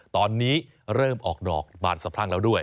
ตอนนี้เริ่มออกดอกบานสะพรั่งแล้วด้วย